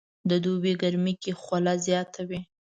د دوبي ګرمي کې خوله زياته وي